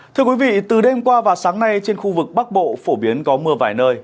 thưa quý vị từ đêm qua và sáng nay trên khu vực bắc bộ phổ biến có mưa vài nơi